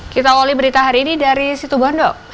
kita wali berita hari ini dari situ bondok